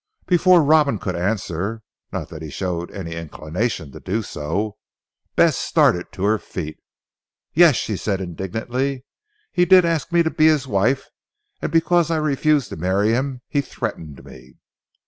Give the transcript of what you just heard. Before Robin could answer (not that he showed any inclination to do so) Bess started to her feet. "Yes!" she said indignantly. "He did ask me to be his wife and because I refused to marry him, he threatened me."